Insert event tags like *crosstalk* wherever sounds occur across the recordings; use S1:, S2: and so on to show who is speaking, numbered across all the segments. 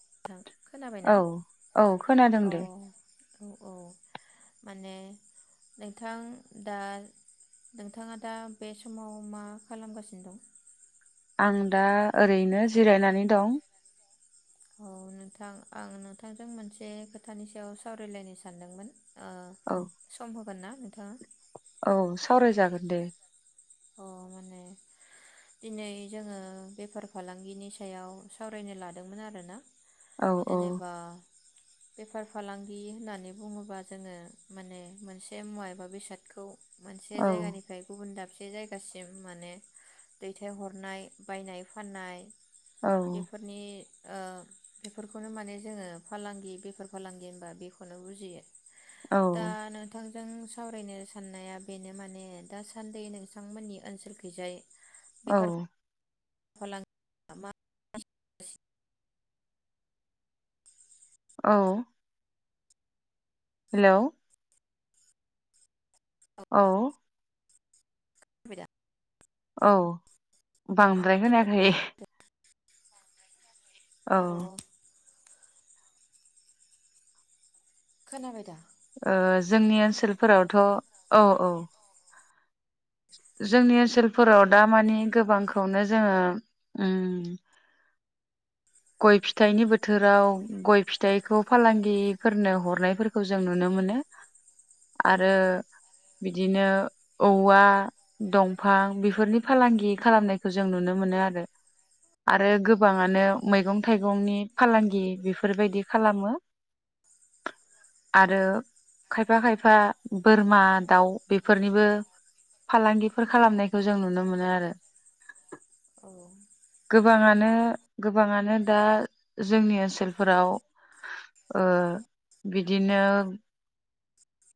S1: *inaudible*
S2: औ
S1: खोनाबायना
S2: औ खोनादों दे
S1: अ औ माने नोंथां दा नोंथाङा दा बे समाव मा खालामगासिनो दं?
S2: आं दा ओरैनो जिरायनानै दं।
S1: औ नोंथां आं नोंथांजों मोनसे खोथानि सायाव सावरायलायनो सानदोंमोन। ओ
S2: औ
S1: सम होगोन ना नोंथाङा?
S2: औ सावरायजागोन दे।
S1: अ माने दिनै जोङो बेफार फालांगिनि सायाव सावरायनो लादोंमोन आरो ना।
S2: औ औ
S1: जेनेबा बेफार फालांगि होननानै बुङोबा जोङो माने मोनसे मुवा एबा बेसादखौ मोनसे
S2: औ
S1: जायगानिफ्राय गुबुन दाम एसे जायगासिम माने दैथायहरनाय बायनाय फाननाय
S2: औ
S1: बेफोरनि ओ बेफोरखौनो माने जोङो फालांगि बेफार फालांगि होनबा बेखौनो बुजियो
S2: औ
S1: दा नोंथां जों सावरायनो साननाया बेनो माने दासान्दि नों थांमोननि ओनसोलखैजाय
S2: औ
S1: फालां *inaudible*
S2: औ हेलौ औ
S1: *unintelligible*
S2: औ बांद्राय खोनायाखै औ
S1: अ खोनाबाय दा
S2: ओ जोंनि ओनसोलफोरावथ' औ औ जोंनि ओनसोलफोराव दा मानि गोबांखौनो जोङो उम गय फिथाइनि बोथोराव गय फिथाइखौ फालांगिफोरनो हरनायफोरखौ जों नुनो मोनो
S1: उम
S2: आरो बिदिनो औवा दंफां बेफोरनि फालांगि खालामनायखौ जों नुनो मोनो आरो आरो गोबाङानो मैगं थाइगंनि फालांगि बेफोरबायदि खालामो आरो खायफा खायफा बोरमा दाउ बेफोरनिबो फालांगिफोर खालामनायखौ जों नुनो मोनो आरो
S1: औ
S2: गोबाङानो गोबाङानो दा जोंनि ओनसोलफोराव ओ बिदिनो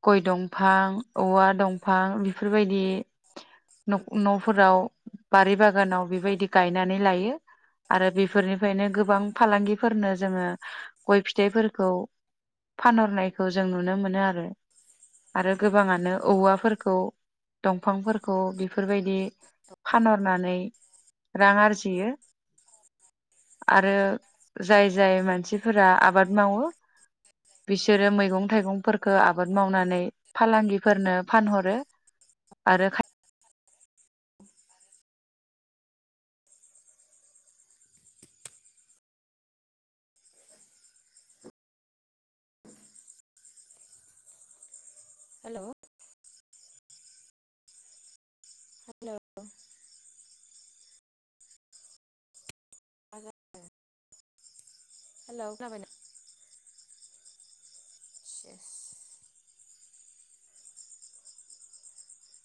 S2: गय दंफां औवा दंफां बिफोरबायदि न' न'फोराव बारि बागानाव बेबायदि गायनानै लायो आरो बे फोरनिफ्रायनो गोबां फालांगिफोरनो जोङो गय फिथाइफोरखौ फानहरनायखौ जों नुनो मोनो आरो आरो गोबाङानो
S1: औ
S2: औवाफोरखौ दंफांफोरखौ बेफोरबायदि फानहरनानै रां आरजियो आरो जाय जाय
S1: औ
S2: मानसिफोरा आबाद मावो बिसोरो मैगं थाइगंफोरफोरखो
S1: औ
S2: आबाद मावनानै फालांगिफोरनो फानहरो आरो खा
S1: हेल' हेल' मा जाखो हेलौ *unintelligible* सेस